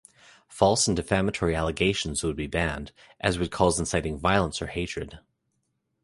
False and defamatory allegations would be banned, as would calls inciting violence or hatred.